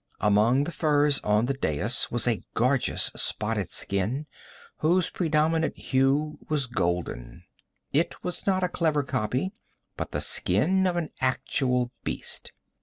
Among the furs on the dais was a gorgeous spotted skin, whose predominant hue was golden. It was not a clever copy, but the skin of an actual beast.